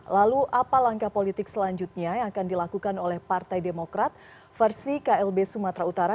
lalu apa langkah politik selanjutnya yang akan dilakukan oleh partai demokrat versi klb sumatera utara